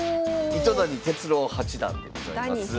糸谷哲郎八段でございます。